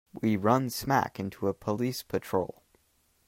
We run smack into a police patrol.